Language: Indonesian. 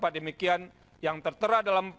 demikian yang tertera dalam